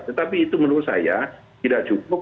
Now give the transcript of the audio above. tetapi itu menurut saya tidak cukup